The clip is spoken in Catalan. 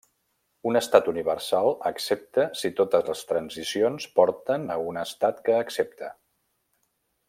Un estat universal accepta si totes les transicions porten a un estat que accepta.